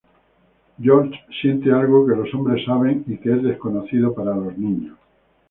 George siente “algo que lo hombres saben y que es desconocido para los niños.